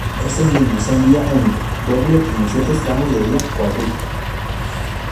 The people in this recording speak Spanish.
Estas líneas son vía única, doble y en ciertos tramos de vía cuádruple.